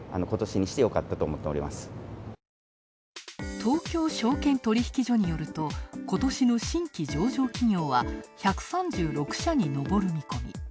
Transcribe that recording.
東京証券取引所によると、ことしの新規上場企業は１３６社に上る見込み。